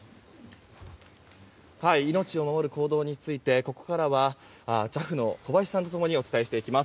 命を守る行動についてここからはＪＡＦの小林さんと共にお伝えしていきます。